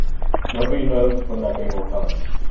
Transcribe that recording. Nobody knows when that day will come.